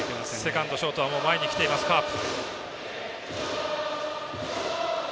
セカンド、ショートはもう前に来ています、カープ。